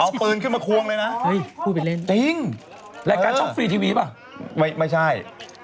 เอาปืนขึ้นมาควงเลยนะจริงและการช่องฟรีทีวีป่ะไม่ใช่